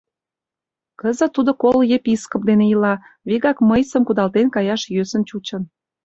Кызыт тудо Кол-Епископ дене ила, вигак мыйсым кудалтен каяш йӧсын чучын.